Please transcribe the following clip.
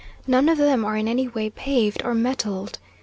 None of them are in any way paved or metalled.